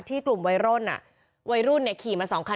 ที่กลุ่มวัยร่วนอ่ะวัยรุ่นเนี้ยขี่มาสองคัน